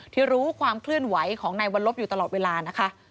รู้ความเคลื่อนไหวของนายวัลลบอยู่ตลอดเวลานะคะ